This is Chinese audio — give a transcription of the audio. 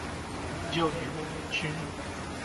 我叫雨宫伊织！